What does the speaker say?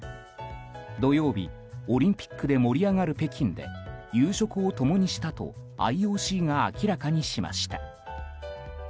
土曜日オリンピックで盛り上がる北京で夕食を共にしたとＩＯＣが明らかにしました。